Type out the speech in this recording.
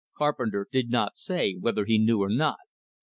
Carpenter did not say whether he knew or not.